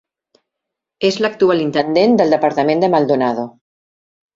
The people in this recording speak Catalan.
És l'actual intendent del departament de Maldonado.